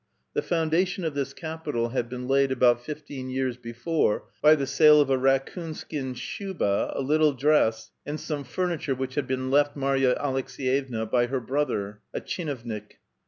The foundation of this capital had been laid about fifteen years before by the sale of a raccoon skin shuba^ a little dress, and some furniture which had been left Marya Aleks^yevna by her brother, a tchinovnik.